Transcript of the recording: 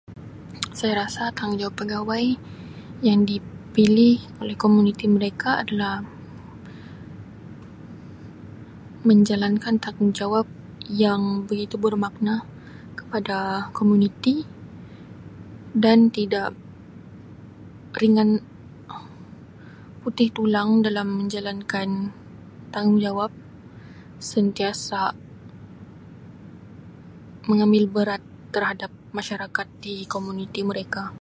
Saya rasa tanggungjawab pegawai yang dipilih oleh komuniti mereka adalah menjalankan tanggungjawab yang begitu bermakna kepada komuniti dan tidak ringan putih tulang dalam menjalankan tanggungjawab sentiasa mengambil berat terhadap masyarakat di komuniti mereka.